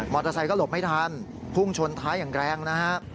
เตอร์ไซค์ก็หลบไม่ทันพุ่งชนท้ายอย่างแรงนะฮะ